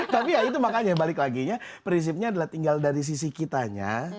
tapi ya itu makanya balik laginya prinsipnya adalah tinggal dari sisi kitanya